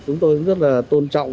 chúng tôi rất là tôn trọng